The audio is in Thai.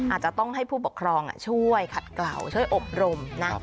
อาจจะต้องให้ผู้ปกครองช่วยขัดกล่าวช่วยอบรมนะ